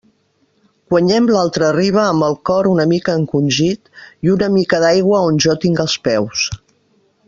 Guanyem l'altra riba amb el cor una mica encongit i una mica d'aigua on jo tinc els peus.